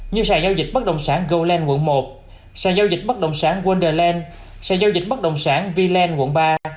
như sàn giao dịch bất đồng sản goland quận một sàn giao dịch bất đồng sản wonderland sàn giao dịch bất đồng sản vland quận ba